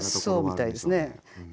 そうみたいですね。